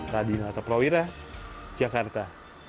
radina ataprawira jakarta